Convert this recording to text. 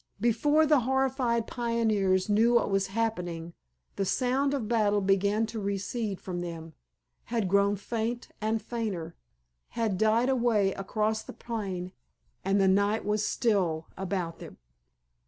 Before the horrified pioneers knew what was happening the sound of battle began to recede from them, had grown faint and fainter, had died away across the plain, and the night was still about them.